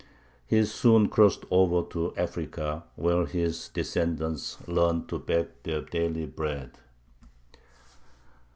He soon crossed over to Africa, where his descendants learned to beg their daily bread.